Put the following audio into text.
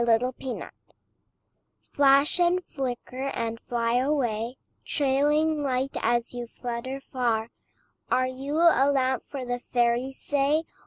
THE FIREFLY Flash and flicker and fly away, Trailing light as you flutter far, Are you a lamp for the fairies, say?